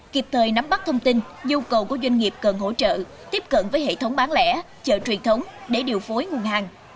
kịp thời nắm bắt thông tin nhu cầu của doanh nghiệp cần hỗ trợ tiếp cận với hệ thống bán lẻ chợ truyền thống để điều phối nguồn hàng